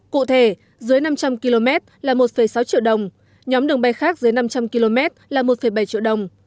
cụ thể dưới năm trăm linh km là một sáu triệu đồng nhóm đường bay khác dưới năm trăm linh km là một bảy triệu đồng